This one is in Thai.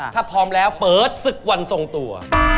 ถ้าพร้อมแล้วเปิดศึกวันทรงตัว